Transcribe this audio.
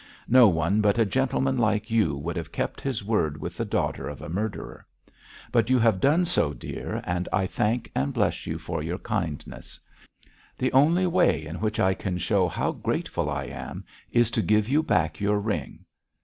No one but a gentleman like you would have kept his word with the daughter of a murderer. But you have done so, dear, and I thank and bless you for your kindness. The only way in which I can show how grateful I am is to give you back your ring.